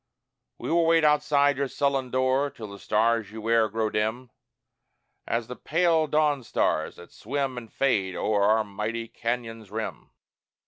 We will wait outside your sullen door till the stars you wear grow dim As the pale dawn stars that swim and fade o'er our mighty Cañon's rim.